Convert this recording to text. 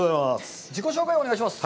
自己紹介をお願いいたします。